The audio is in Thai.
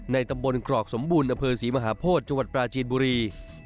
ตำบลกรอกสมบูรณ์อำเภอศรีมหาโพธิจังหวัดปราจีนบุรี